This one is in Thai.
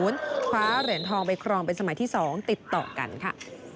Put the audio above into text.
คว้าเหรียญทองไปครองเป็นสมัยที่๒ติดต่อกันค่ะ